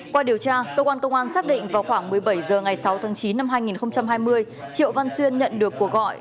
qua điều tra cơ quan công an xác định vào khoảng một mươi bảy h ngày sáu tháng chín năm hai nghìn hai mươi triệu văn xuyên nhận được cuộc gọi